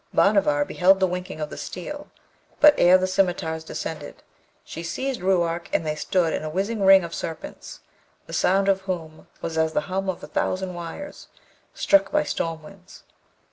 Bhanavar beheld the winking of the steel, but ere the scimitars descended, she seized Ruark, and they stood in a whizzing ring of serpents, the sound of whom was as the hum of a thousand wires struck by storm winds.